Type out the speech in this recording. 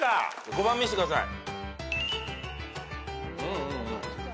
５番見してください。